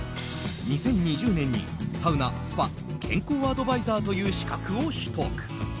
２０２０年にサウナ・スパ健康アドバイザーという資格を取得。